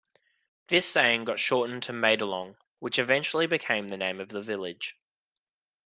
This saying got shortened to Maydolong, which eventually became the name of the village.